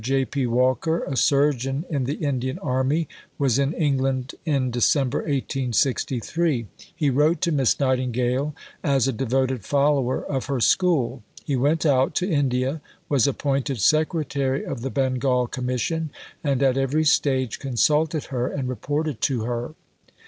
J. P. Walker, a surgeon in the Indian Army, was in England in December 1863. He wrote to Miss Nightingale, as a devoted follower of her school. He went out to India, was appointed Secretary of the Bengal Commission, and at every stage consulted her and reported to her.